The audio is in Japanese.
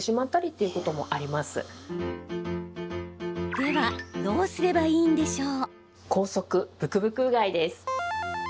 ではどうすればいいんでしょう？